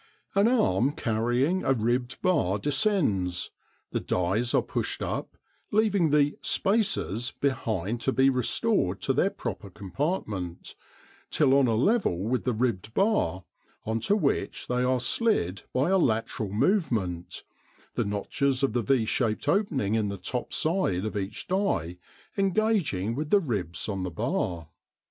An arm carrying a ribbed bar descends. The dies are pushed up, leaving the "spaces" behind to be restored to their proper compartment, till on a level with the ribbed bar, on to which they are slid by a lateral movement, the notches of the V shaped opening in the top side of each die engaging with the ribs on the bar.